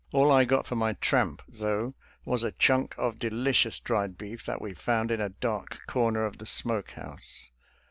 All I got for my tramp, though, was a chunk of delicious dried beef that we found in a dark corner of the smoke house.